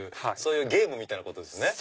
ゲームみたいなことですね。